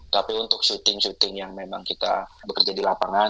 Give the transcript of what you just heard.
tapi untuk syuting syuting yang memang kita bekerja di lapangan